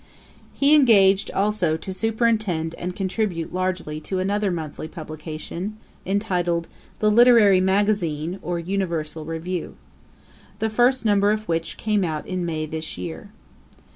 ] He engaged also to superintend and contribute largely to another monthly publication, entitled The Literary Magazine, or Universal Review; the first number of which came out in May this year.